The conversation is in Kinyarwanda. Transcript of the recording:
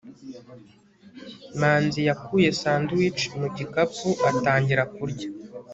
manzi yakuye sandwich mu gikapu atangira kurya